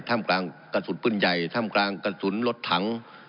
่ำกลางกระสุนปืนใหญ่ถ้ำกลางกระสุนรถถัง